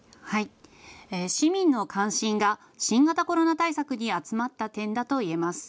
市民の関心が新型コロナ対策に集まった点だと言えます。